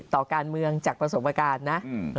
ต่อการเมืองจากประสบการณ์นะ